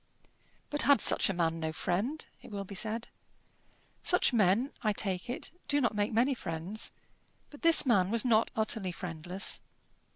But had such a man no friend? it will be said. Such men, I take it, do not make many friends. But this man was not utterly friendless.